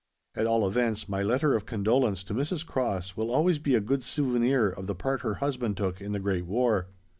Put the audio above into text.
At all events, my letter of condolence to Mrs. Cross will always be a good souvenir of the part her husband took in the Great War.